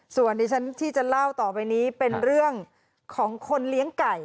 ส่วนที่ฉันที่จะเล่าต่อไปนี้เป็นเรื่องของคนเลี้ยงไก่